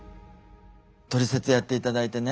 「トリセツ」やっていただいてね